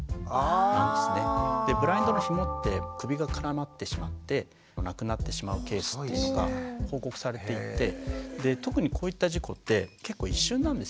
ブラインドのひもって首が絡まってしまって亡くなってしまうケースっていうのが報告されていて特にこういった事故って結構一瞬なんですよね。